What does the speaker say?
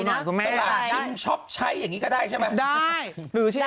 อ่ารู้หน่อยครับแม่ได้สละชิ้นช็อปใช้อย่างนี้ก็ได้ใช่ไหม